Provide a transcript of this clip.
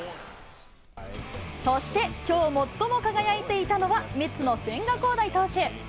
そして、きょう最も輝いていたのは、メッツの千賀滉大投手。